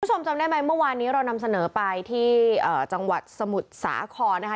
คุณผู้ชมจำได้มั้ยเมื่อวานนี้เรานำเสนอไปที่จังหวัดสมุทรสาขอนะคะ